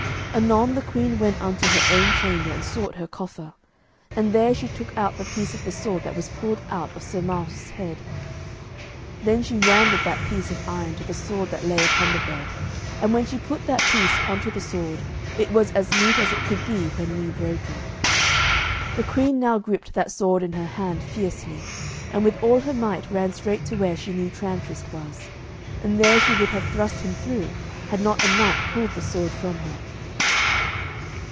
Anon the queen went unto her own chamber and sought her coffer, and there she took out the piece of the sword that was pulled out of Sir Marhaus' head. Then she ran with that piece of iron to the sword that lay upon the bed, and when she put that piece unto the sword, it was as meet as it could be when new broken. The queen now gripped that sword in her hand fiercely, and with all her might ran straight to where she knew Tramtrist was, and there she would have thrust him through, had not a knight pulled the sword from her.